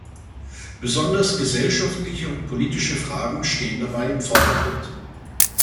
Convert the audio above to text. Besonders gesellschaftliche und politische Fragen stehen dabei im Vordergrund.